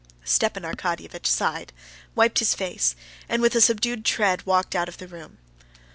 Stepan Arkadyevitch sighed, wiped his face, and with a subdued tread walked out of the room.